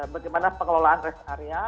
bagaimana pengelolaan rest area